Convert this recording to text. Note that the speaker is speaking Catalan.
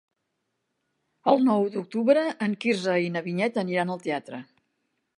El nou d'octubre en Quirze i na Vinyet aniran al teatre.